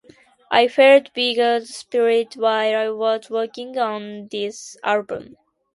I felt Biggie's spirit while I was working on this album.